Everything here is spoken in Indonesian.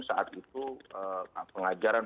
saat itu pengajaran